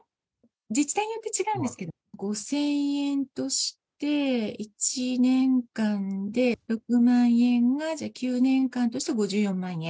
自治体によって違うんですけど５０００円として１年間で６万円、９年間として５４万円。